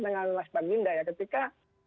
dengan mas baginda ketika